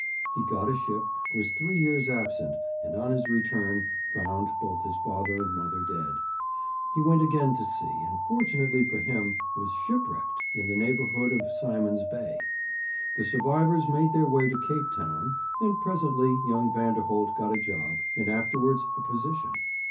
He got a ship, was three years absent, and on his return found both his father and mother dead. He went again to sea, and, fortunately for him, was shipwrecked in the neighbourhood of Simon's Bay. The survivors made their way to Cape Town, and presently young Vanderholt got a job, and afterwards a position.